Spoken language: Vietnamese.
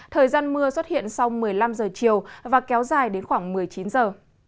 thời gian mưa xuất hiện sau một mươi năm giờ chiều và kéo dài đến khoảng một mươi chín giờ